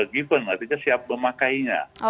given artinya siap memakainya